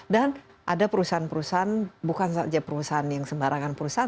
dan ada perusahaan perusahaan bukan saja perusahaan yang sembarangan perusahaan